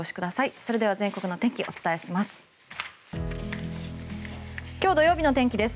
それでは全国のお天気、お伝えします。